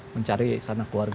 mencari sana keluarganya